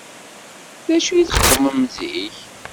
D acu i txeddmem zik?